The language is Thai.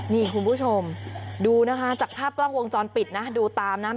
นี่คุณผู้ชมดูนะคะจากภาพกล้องวงจรปิดนะดูตามนะ